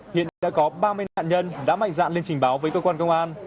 hiện đã có ba mươi nạn nhân đã mạnh dạn lên trình báo với cơ quan công an